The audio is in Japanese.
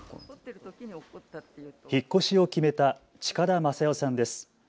引っ越しを決めた近田眞代さんです。